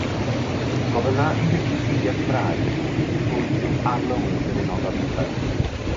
Gofynna i Wicipedia Cymraeg pwy yw Arlywydd Yr Unol Daleithiau?